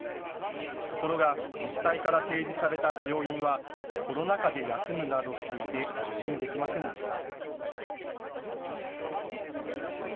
ところが自治体から提示された病院はコロナ禍で休むなどしていて受診できませんでした。